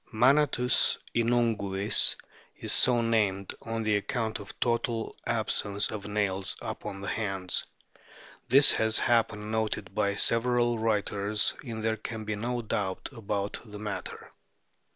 Manatus inunguis is so named on account of the total absence of nails upon the hands ; this has been noted by several writers, and there can be no doubt about the matter.